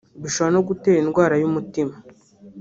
bishobora no gutera indwara y’umutima